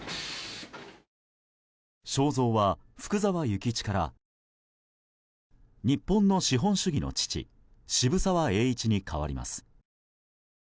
肖像は福沢諭吉から日本の資本主義の父渋沢栄一に変わります。